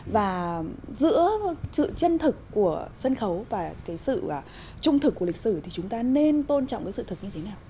và giữa sự chân thực của sân khấu và cái sự trung thực của lịch sử thì chúng ta nên tôn trọng cái sự thực như thế nào